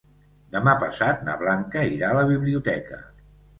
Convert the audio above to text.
Demà passat na Blanca irà a la biblioteca.